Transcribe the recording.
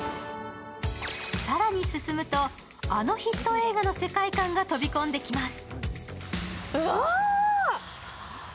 更に進むと、あのヒット映画の世界観が飛び込んできます。